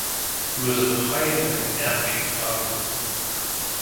He was a pioneering amateur photographer.